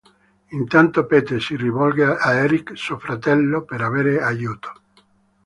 Intanto Pete si rivolge a Eric, suo fratello, per avere aiuto.